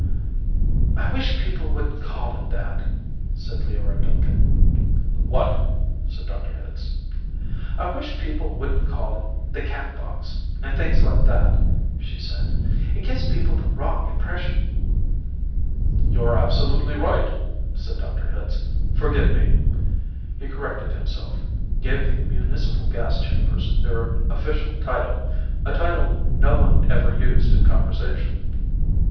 "I wish people wouldn't call it that," said Leora Duncan. "What?" said Dr. Hitz. "I wish people wouldn't call it 'the Catbox,' and things like that," she said. "It gives people the wrong impression." "You're absolutely right," said Dr. Hitz. "Forgive me." He corrected himself, gave the municipal gas chambers their official title, a title no one ever used in conversation.